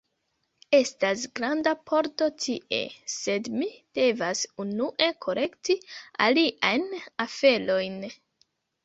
Estas granda pordo tie, sed mi devas unue kolekti aliajn aferojn.